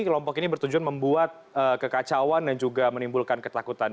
kelompok ini bertujuan membuat kekacauan dan juga menimbulkan ketakutan